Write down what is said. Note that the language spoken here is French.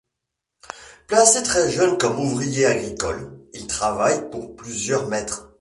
Placé très jeune comme ouvrier agricole, il travaille pour plusieurs maîtres.